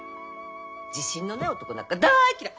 自信のない男なんか大っ嫌い。